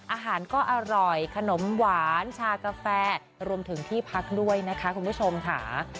อาหารก็อร่อยขนมหวานชากาแฟรวมถึงที่พักด้วยนะคะคุณผู้ชมค่ะ